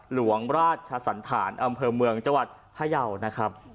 หลวงราชสันธารอำเภอเมืองจังหวัดพยาวนะครับ